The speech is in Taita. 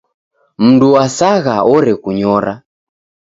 Mndu wasagha orekunyora.